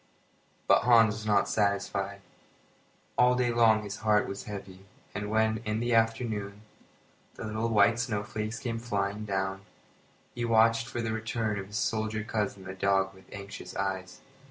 But Hans was not satisfied. All day long his heart was heavy, and when, in the afternoon, the little white snowflakes came flying down he watched for the return of his soldier cousin and the dog with anxious eyes.